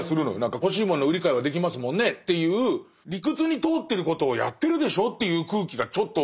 「欲しい物の売り買いはできますもんね」っていう「理屈に通ってることをやってるでしょ」という空気がちょっと。